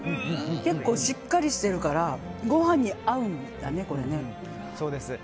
結構しっかりしてるからご飯に合うんだね、これね。